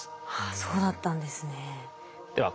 そうだったんですね。